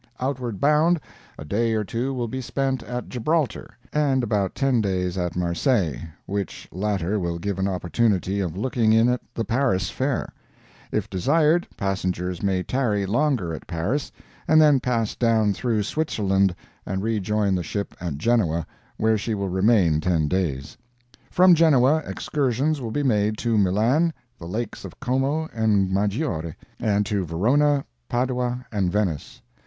Outward bound, a day or two will be spent at Gibraltar, and about ten days at Marseilles, which latter will give an opportunity of looking in at the Paris fair. If desired, passengers may tarry longer at Paris, and then pass down through Switzerland and rejoin the ship at Genoa, where she will remain ten days. From Genoa, excursions will be made to Milan, the Lakes of Como and Maggiore, and to Verona, Padua and Venice.